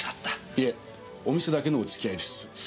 いえお店だけのお付き合いです。